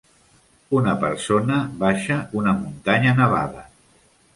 Una persona baixa una muntanya nevada.